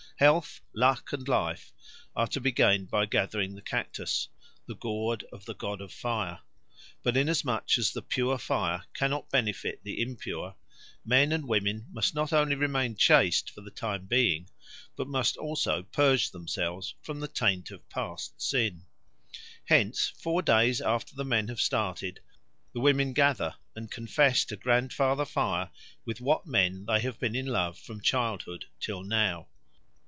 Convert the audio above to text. Health, luck, and life are to be gained by gathering the cactus, the gourd of the God of Fire; but inasmuch as the pure fire cannot benefit the impure, men and women must not only remain chaste for the time being, but must also purge themselves from the taint of past sin. Hence four days after the men have started the women gather and confess to Grandfather Fire with what men they have been in love from childhood till now.